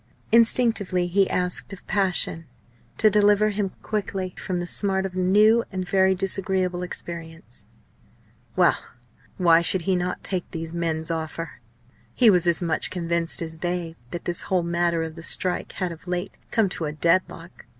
Instinctively he asked of passion to deliver him quickly from the smart of a new and very disagreeable experience. Well! why should he not take these men's offer? He was as much convinced as they that this whole matter of the strike had of late come to a deadlock.